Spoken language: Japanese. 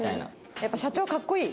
やっぱ社長かっこいい。